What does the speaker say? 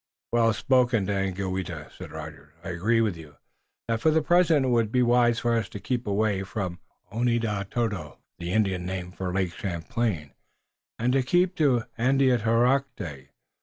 "Well spoken, Daganoweda," said Rogers. "I agree with you that for the present it would be wise for us to keep away from Oneadatote (the Indian name for Lake Champlain) and keep to Andiatarocte.